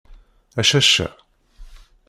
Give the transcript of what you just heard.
A cacca!